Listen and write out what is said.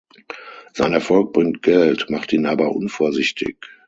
Sein Erfolg bringt Geld, macht ihn aber unvorsichtig.